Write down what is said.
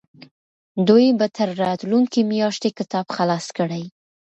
دوی به تر راتلونکې میاشتې کتاب خلاص کړي.